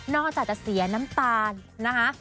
นอกจากจะเสียน้ำตาลนะคะ